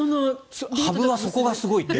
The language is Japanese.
羽生はそこがすごいって。